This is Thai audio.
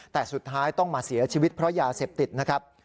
แต่สุดท้ายต้องมาเสียชีวิตเพราะยาเสพติดนะครับ